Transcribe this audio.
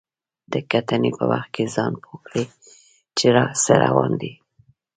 د کتنې په وخت کې ځان پوه کړئ چې څه روان دي.